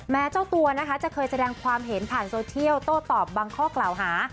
เจ้าตัวนะคะจะเคยแสดงความเห็นผ่านโซเชียลโต้ตอบบางข้อกล่าวหา